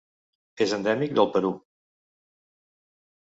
És endèmic del Perú.